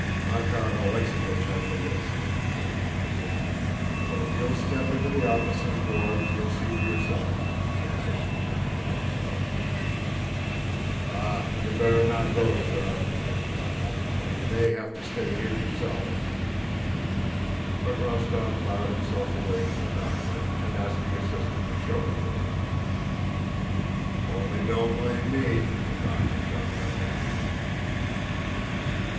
"Makár Alexéevich has the list," answered the assistant. "But if you'll step into the officers' wards you'll see for yourself," he added, turning to Rostóv. "Ah, you'd better not go, sir," said the doctor, "or you may have to stay here yourself." But Rostóv bowed himself away from the doctor and asked the assistant to show him the way. "Only don't blame me!" the doctor shouted up after him.